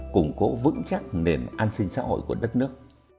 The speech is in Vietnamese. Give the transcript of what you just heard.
củng cố vững chắc nền an sinh xã hội của đất nước